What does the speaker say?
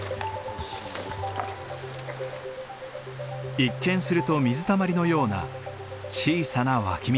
一見すると水たまりのような小さな湧き水。